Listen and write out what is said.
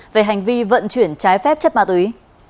về hành vi vận chuyển trái phép chất ma túy